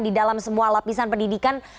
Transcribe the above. di dalam semua lapisan pendidikan